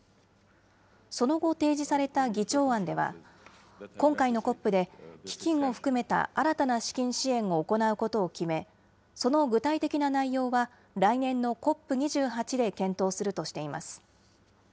その後、提示された議長案では、今回のＣＯＰで基金を含めた新たな資金支援を行うことを決め、その具体的な内容は来年のＣＯＰ２８で検討するとしています。